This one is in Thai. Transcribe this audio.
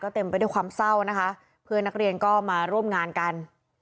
เต็มไปด้วยความเศร้านะคะเพื่อนนักเรียนก็มาร่วมงานกัน